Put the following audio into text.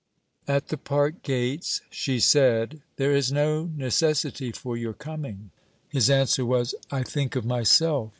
At the park gates, she said: 'There is no necessity four your coming.' His answer was: 'I think of myself.